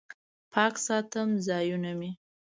پاک ساتم ځایونه مې